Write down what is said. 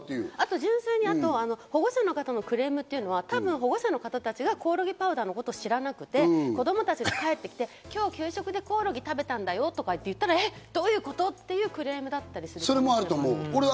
純粋に保護者の方のクレームというのは多分、保護者の方たちがコオロギパウダーのことを知らなくて、子供たちが帰ってきて、今日給食でコオロギ食べたんだよ！って言ったら、どういうこと？っていうクそれもあると思う。